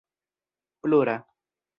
plura